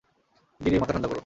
গিরি, মাথা ঠান্ডা করো।